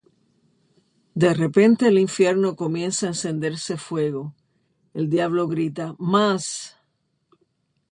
De repente, el infierno comienza a encenderse fuego, el Diablo grita "Mas!